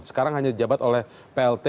sekarang hanya di jabat oleh plt